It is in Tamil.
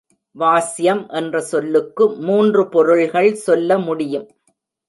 வாஸ்யம் என்ற சொல்லுக்கு மூன்று பொருள்கள் சொல்ல முடியும்.